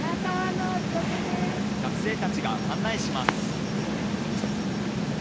学生たちが案内します。